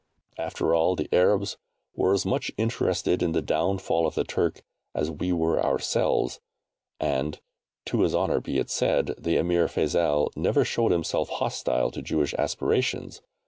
After all the Arabs were as much interested in the downfall of the Turk as we were ourselves, and, to his honour be it said, the Emir Feisal never showed himself hostile to Jewish aspirations.